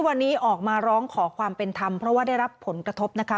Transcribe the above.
วันนี้ออกมาร้องขอความเป็นธรรมเพราะว่าได้รับผลกระทบนะคะ